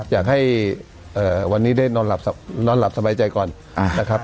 อยากให้วันนี้ได้นอนหลับสะใบใจก่อนนะครับ